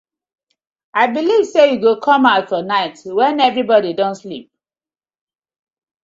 I belive say yu go com out for night wen everibodi don sleep.